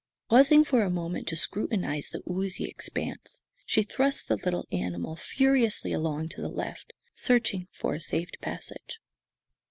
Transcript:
Pausing for a moment to scrutinize the oozy expanse, she thrust the little animal furiously along to the left, searching for a safe passage.